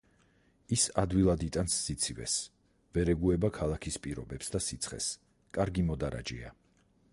ის ადვილად იტანს სიცივეს, ვერ ეგუება ქალაქის პირობებს და სიცხეს, კარგი მოდარაჯეა.